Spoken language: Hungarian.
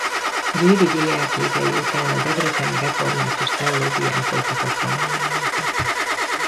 Győri diákévei után a debreceni református teológián folytatott tanulmányokat.